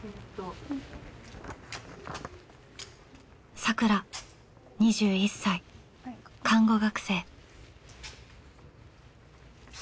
さくら２１歳看護学生。